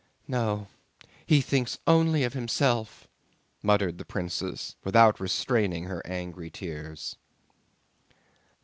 "No, he thinks only of himself," muttered the princess without restraining her angry tears.